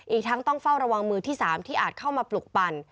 อีกทั้งต้องเฝ้าระวังมือที่๓ที่อาจเข้ามาปลุกปั่น